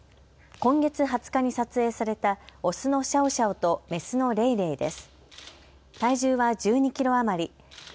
今月２０日に撮影されたオスのシャオシャオとメスのレイレイです。